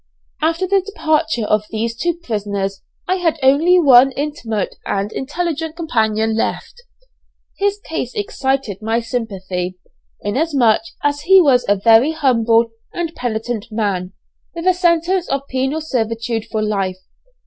After the departure of these two prisoners I had only one intimate and intelligent companion left. His case excited my sympathy, inasmuch as he was a very humble and penitent man, with a sentence of penal servitude for life.